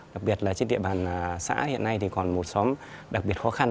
đặc biệt là trên địa bàn xã hiện nay thì còn một xóm đặc biệt khó khăn